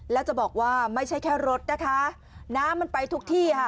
แล้วจะบอกว่าไม่ใช่แค่รถนะคะน้ำมันไปทุกที่ค่ะ